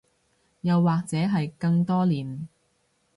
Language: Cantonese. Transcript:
又或者係更多年